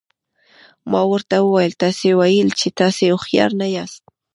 ما ورته وویل تاسي ویل چې تاسي هوښیار نه یاست.